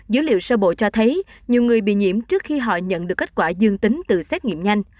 dữ liệu sơ bộ cho thấy nhiều người bị nhiễm trước khi họ nhận được kết quả dương tính từ xét nghiệm nhanh